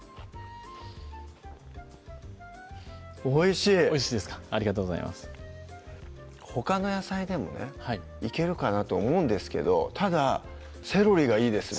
おいしいありがとうございますほかの野菜でもねいけるかなと思うんですけどただセロリがいいですね